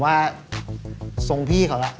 ว่าทรงพี่เขาล่ะ